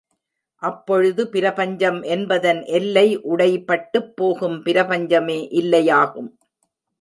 அப்பொழுது பிரபஞ்சம் என்பதன் எல்லை உடை பட்டுப் போகும் பிரபஞ்சமே இல்லையாகும்.